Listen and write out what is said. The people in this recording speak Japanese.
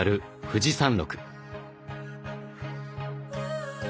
富士山麓。